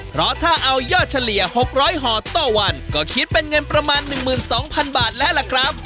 เพราะถ้าเอายอดเฉลี่ยหกร้อยห่อต้อวันก็คิดเป็นเงินประมาณหนึ่งหมื่นสองพันบาทแล้วล่ะครับ